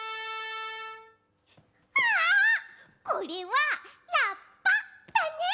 あこれはラッパだね！